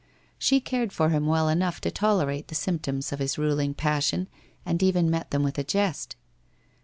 She cared for him well enough to tolerate the symptoms of his ruling passion, and even met them with a jest.